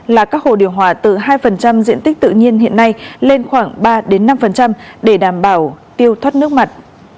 là các hồ điều hòa từ hai diện tích tự nhiên hiện nay lên khoảng ba năm để đảm bảo tiêu thoát nước mặt